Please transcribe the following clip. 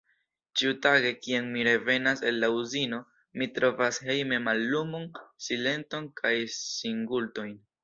Ĉiutage, kiam mi revenas el la Uzino, mi trovas hejme mallumon, silenton kaj singultojn.